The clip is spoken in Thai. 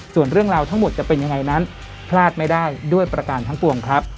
ส่วนเรื่องราวทั้งหมดจะเป็นยังไงนั้นพลาดไม่ได้ด้วยประการทั้งปวงครับ